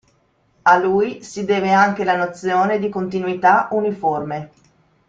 A lui si deve anche la nozione di continuità uniforme.